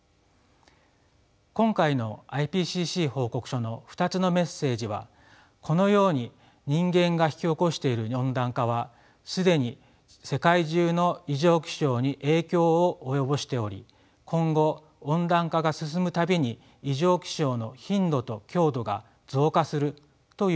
今回のＩＰＣＣ報告書の２つのメッセージはこのように人間が引き起こしている温暖化は既に世界中の異常気象に影響を及ぼしており今後温暖化が進む度に異常気象の頻度と強度が増加するというものです。